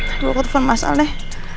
aduh ketepan masalah